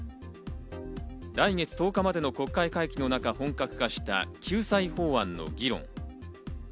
来月１０日までの国会会期の中、本格化した救済法案の議論。